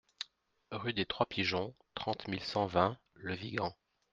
Rue des Trois Pigeons, trente mille cent vingt Le Vigan